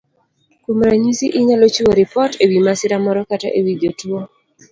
Kuom ranyisi, inyalo chiwo ripot e wi masira moro kata e wi jotuo.